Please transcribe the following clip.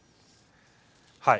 はい。